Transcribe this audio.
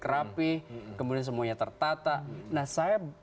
rapih kemudian semuanya tertata nah saya